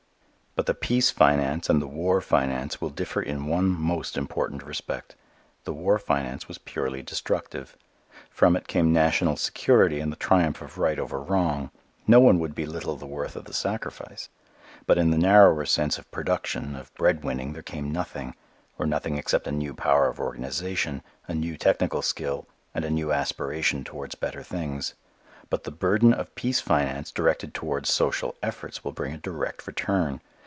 But the peace finance and the war finance will differ in one most important respect. The war finance was purely destructive. From it came national security and the triumph of right over wrong. No one would belittle the worth of the sacrifice. But in the narrower sense of production, of bread winning, there came nothing; or nothing except a new power of organization, a new technical skill and a new aspiration towards better things. But the burden of peace finance directed towards social efforts will bring a direct return.